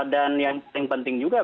dan yang paling penting juga